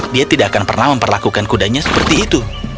dia tidak akan pernah memperlakukan kudanya seperti itu